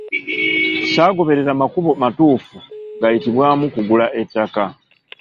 Ssaagoberera makubo matuufu gayitibwamu kugula ettaka.